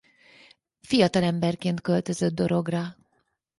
Fiatalemberként költözött Dorogra.